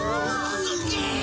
すげえ！